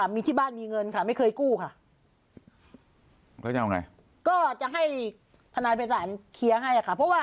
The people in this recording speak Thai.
มีที่บ้านมีเงินแต่เคยไม่เคยกู้ค่ะ